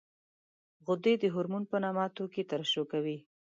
غدې د هورمون په نامه توکي ترشح کوي.